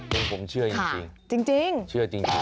เพราะผมเชื่อจริงค่ะจริงเชื่อจริง